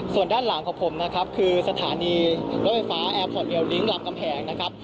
ส่วนด้านหลังของผมนะครับคือสถานีรถไฟฟ้าแอร์พอร์ตเรียลลิงก์ลำกำแพงนะครับ